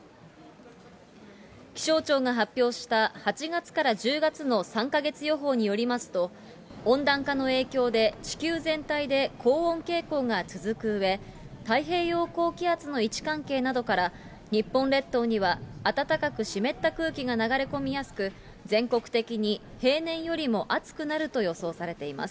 気象庁が発表した８月から１０月の３か月予報によりますと、温暖化の影響で地球全体で高温傾向が続くうえ、太平洋高気圧の位置関係などから、日本列島には暖かく湿った空気が流れ込みやすく、全国的に平年よりも暑くなると予想されています。